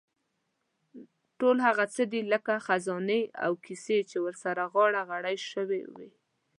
ټول هغه څه دي لکه خزانې او کیسې چې سره غاړه غړۍ شوې وي.